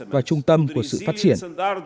vào trung tâm của sự phát triển